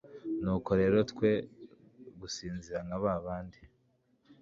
"Nuko rero twe gusinzira nka ba bandi,